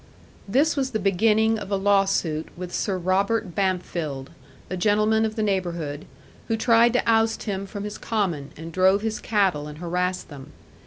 This was the beginning of a law suit with Sir Robert Bampfylde, a gentleman of the neighbourhood, who tried to oust him from his common, and drove his cattle and harassed them.